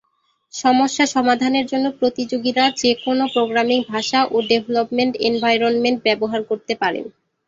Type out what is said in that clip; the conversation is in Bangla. সমস্যা সমাধানের জন্য প্রতিযোগীরা যে কোন প্রোগ্রামিং ভাষা ও ডেভেলপমেন্ট এনভায়রনমেন্ট ব্যবহার করতে পারেন।